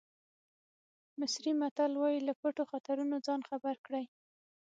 مصري متل وایي له پټو خطرونو ځان خبر کړئ.